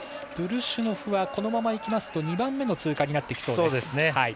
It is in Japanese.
ブルシュノフはこのままいくと２番目の通過になってきそうです。